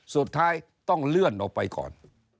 สุดท้ายต้องเลื่อนออกไปก่อน